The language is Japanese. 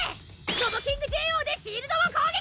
モモキングＪＯでシールドを攻撃！